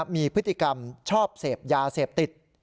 มีพฤติกรรมชอบเสพยาเสพติด